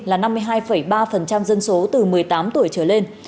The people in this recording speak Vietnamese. là năm mươi hai ba dân số từ một mươi tám tuổi trở lên